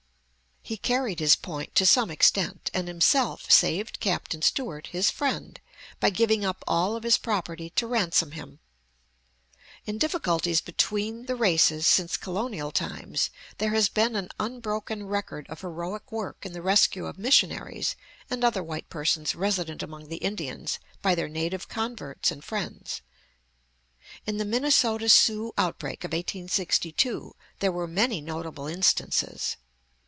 He carried his point to some extent, and himself saved Captain Stewart, his friend, by giving up all of his property to ransom him. In difficulties between the races since colonial times there has been an unbroken record of heroic work in the rescue of missionaries and other white persons resident among the Indians by their native converts and friends. In the Minnesota Sioux outbreak of 1862 there were many notable instances.